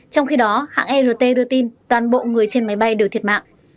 trong khi đó hãng rt đưa tin toàn bộ người trên máy bay đều thiệt mạng